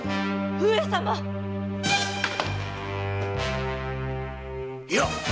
上様⁉いや。